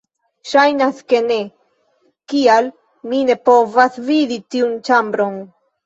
Ŝajnas ke ne... kial mi ne povas vidi tiun ĉambron?